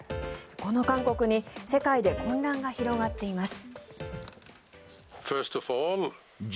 この勧告に世界で混乱が広がっています。